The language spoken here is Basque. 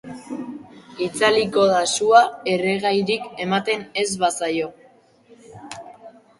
Itzaliko da sua, erregairik ematen ez bazaio.